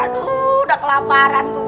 aduh udah kelaparan tuh